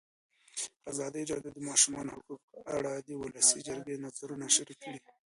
ازادي راډیو د د ماشومانو حقونه په اړه د ولسي جرګې نظرونه شریک کړي.